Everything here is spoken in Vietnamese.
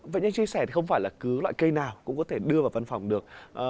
vậy nhưng chia sẻ thì không phải là cứ loại cây nào cũng có thể đưa vào văn phòng được